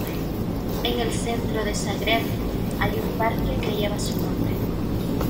En el centro de Zagreb hay un parque que lleva su nombre.